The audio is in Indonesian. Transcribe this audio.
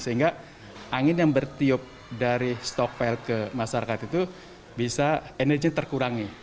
sehingga angin yang bertiup dari stockfile ke masyarakat itu bisa energinya terkurangi